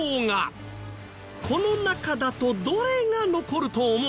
この中だとどれが残ると思う？